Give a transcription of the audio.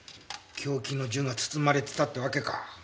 凶器の銃が包まれてたってわけか。